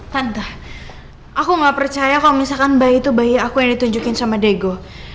tante aku gak percaya kalau misalkan bayi itu bayi aku yang ditunjukin sama daegu